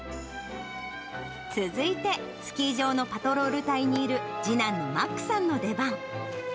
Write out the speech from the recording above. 続いて、スキー場のパトロール隊にいる次男のマックさんの出番。